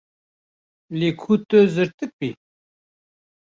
Lê ku tu zirtik bî.